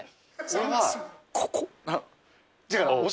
俺はここ。